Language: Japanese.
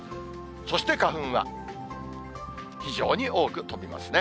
そして花粉は非常に多く飛びますね。